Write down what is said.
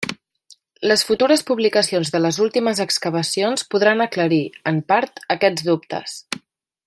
Les futures publicacions de les últimes excavacions podran aclarir, en part, aquests dubtes.